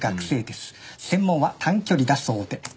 専門は短距離だそうで。